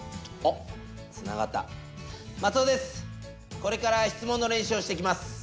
これから質問の練習をしていきます。